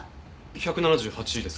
１７８です。